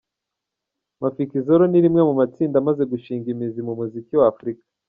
Mafikizolo ni rimwe mu matsinda amaze gushinga imizi mu muziki wa Afurika.